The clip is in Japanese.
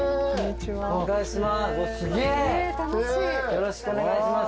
よろしくお願いします。